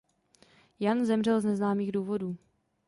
Jan zemřel z neznámých důvodů.